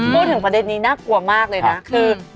พูดถึงประเด็นนี้น่ากลัวมากเลยนะคือ